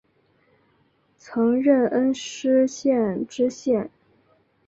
曾任恩施县知县。